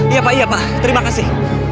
iya pak iya pak terima kasih